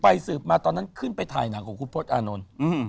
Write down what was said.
สืบไปสืบมาตอนนั้นขึ้นไปถ่ายหนังของคุพธอานนท์